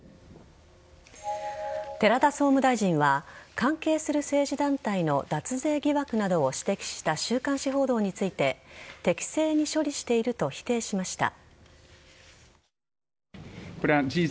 寺田総務大臣は関係する政治団体の脱税疑惑などを指摘した週刊誌報道について適正に処理していると否定しました。